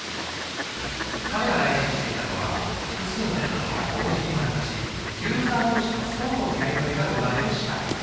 彼が大事にしていたのは複数の人たちが同時に参加しユーザー同士の相互のやりとりが生まれる仕掛け。